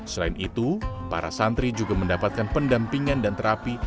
selain itu para santri juga mendapatkan pendampingan dan terapi